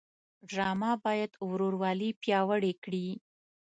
ډرامه باید ورورولي پیاوړې کړي